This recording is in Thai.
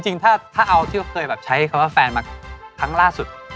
จริงถ้าเอาที่เขาเคยแบบใช้คำว่าแฟนมาครั้งล่าสุด